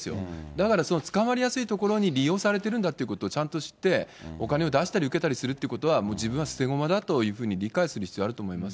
だからその捕まりやすいところに利用されてるんだってことをちゃんと知って、お金を出したり受けたりするってことは、自分は捨て駒だというふうに理解する必要があると思いますよ。